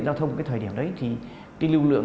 giao thông vào cái thời điểm đấy thì cái lưu lượng